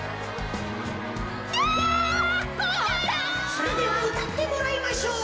それではうたってもらいましょう。